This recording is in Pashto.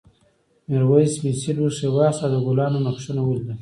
میرويس مسي لوښی واخیست او د ګلانو نقشونه ولیدل.